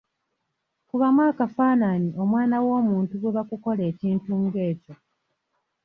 Kubamu akafaananyi omwana w'omuntu bwe bakukola ekintu ng'ekyo !